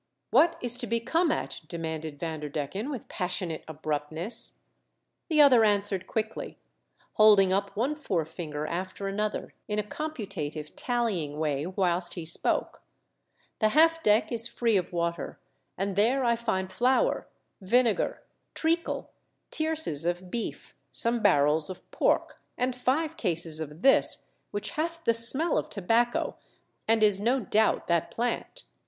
"What is to be come at?" demanded Vanderdecken, with passionate abruptness. The other answered quickly, holding up one forefinger after another in a computative tallying way whilst he spoke, "The half deck is free of water, and there I find fiour, vine gar, treacle, tierces of beef, some barrels of pork,, and five cases of this — which hath the smell of tobacco, and is no doubt that plant."